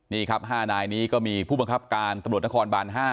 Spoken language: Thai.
นี่ครับ๕นายนี้ก็มีผู้บังคับการตำรวจนครบาน๕